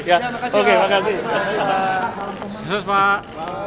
terima kasih pak